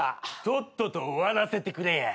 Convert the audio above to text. とっとと終わらせてくれや。